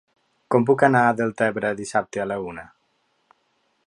Com puc anar a Deltebre dissabte a la una?